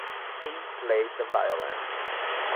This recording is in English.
He played the violin.